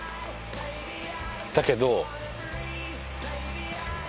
だけど。